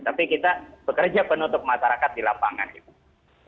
tapi kita bekerja penutup masyarakat di lapangan gitu